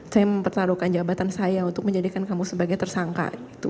saya mempertaruhkan jabatan saya untuk menjadikan kamu sebagai tersangka